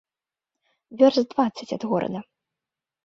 Вёрст дваццаць ад горада.